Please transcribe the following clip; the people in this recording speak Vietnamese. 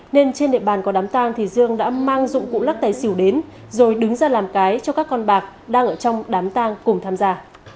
nên trên địa bàn có đám tang thì dương đã mang dụng cụ lắc tài xỉu đến rồi đứng ra làm cái cho các con bạc đang ở trong đám tang cùng tham gia